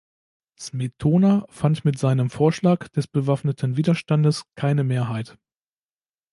Smetona fand mit seinem Vorschlag des bewaffneten Widerstandes keine Mehrheit.